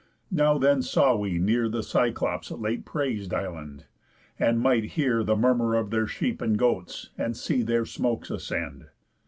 Now then saw we near The Cyclops' late prais'd island, and might hear The murmur of their sheep and goats, and see Their smokes ascend.